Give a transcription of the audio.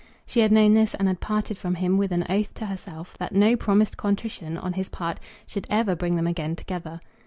She had known this, and had parted from him with an oath to herself that no promised contrition on his part should ever bring them again together.